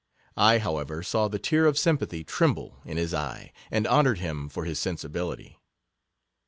I, how ever, saw the tear of sympathy tremble in his eye, and honoured him for his sensibility.